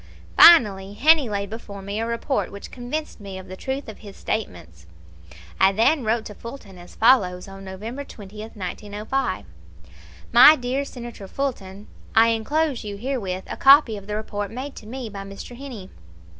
Finally Heney laid before me a report which convinced me of the truth of his statements. I then wrote to Fulton as follows, on November 20, 1905: "My dear Senator Fulton: I inclose you herewith a copy of the report made to me by Mr. Heney.